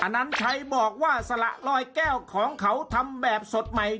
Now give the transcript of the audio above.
นันชัยบอกว่าสละลอยแก้วของเขาทำแบบสดใหม่